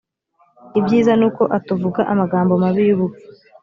ibyiza ni uko atuvuga amagambo mabi y’ubupfu